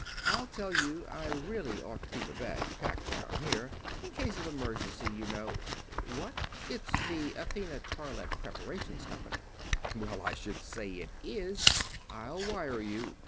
I'll tell you, I really ought to keep a bag packed down here. In case of emergency, you know. What? It's the Athena Toilette Preparations Company. Well, I should say it is! I'll wire you.